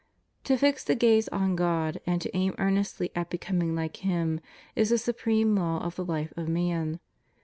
To fix the gaze on God, and to aim earnestly at becoming hke Him, is the supreme law of the life of man.